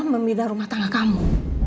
memindah rumah tangga kamu